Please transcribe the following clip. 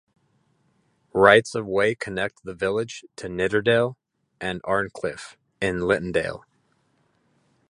Rights of way connect the village to Nidderdale and Arncliffe in Littondale.